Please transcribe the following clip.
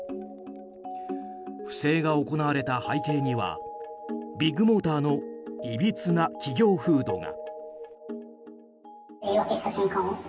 不正が行われた背景にはビッグモーターのいびつな企業風土が。